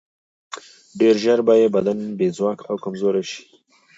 ډېر ژر به یې بدن بې ځواکه او کمزوری شي.